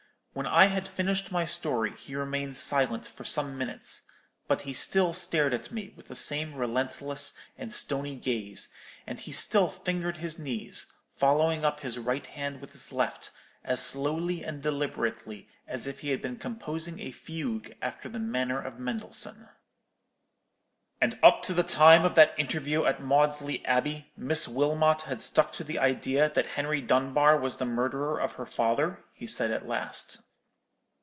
When I had finished my story, he remained silent for some minutes: but he still stared at me with the same relentless and stony gaze, and he still fingered his knees, following up his right hand with his left, as slowly and deliberately as if he had been composing a fugue after the manner of Mendelssohn. "'And up to the time of that interview at Maudesley Abbey, Miss Wilmot had stuck to the idea that Henry Dunbar was the murderer of her father?' he said, at last.